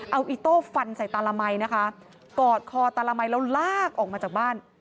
เอาอิโต้ฟันใส่ตาละมัยนะคะกอดคอตาละมัยแล้วลากออกมาจากบ้าน